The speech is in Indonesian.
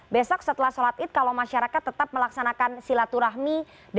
besok setelah sholat id kalau masyarakat tetap melaksanakan silaturahmi